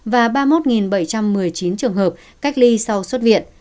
và ba mươi một bảy trăm một mươi chín trường hợp cách ly sau xuất viện